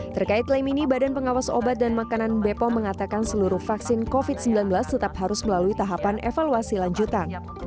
terkait klaim ini badan pengawas obat dan makanan bepom mengatakan seluruh vaksin covid sembilan belas tetap harus melalui tahapan evaluasi lanjutan